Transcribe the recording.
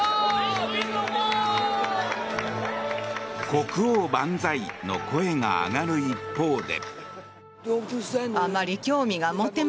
国王万歳の声が上がる一方で。